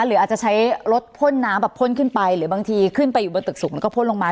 หรืออาจจะใช้รถพ่นน้ำแบบพ่นขึ้นไปหรือบางทีขึ้นไปอยู่บนตึกสูงแล้วก็พ่นลงมา